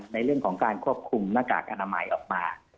ในเรื่องของการควบคุมหน้ากากอนามัยออกมา